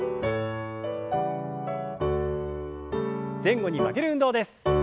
前後に曲げる運動です。